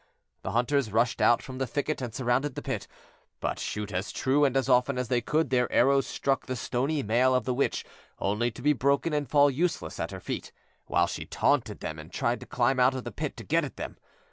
The hunters rushed out from the thicket and surrounded the pit, but shoot as true and as often as they could, their arrows struck the stony mail of the witch only to be broken and fall useless at her feet, while she taunted them and tried to climb out of the pit to get at them.